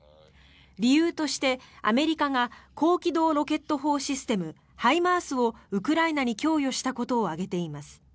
理由としてはアメリカが高機動ロケット砲システムＨＩＭＡＲＳをウクライナに供与したことを挙げています。